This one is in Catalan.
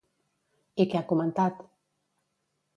I què ha comentat?